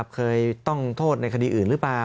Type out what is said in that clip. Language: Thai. เคยต้องโทษในคดีอื่นหรือเปล่า